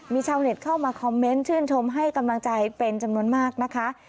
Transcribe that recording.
มีชาวเน็ตเข้ามาคอมเมนต์ชื่นชมให้กำลังใจเป็นจำนวนมากนะคะ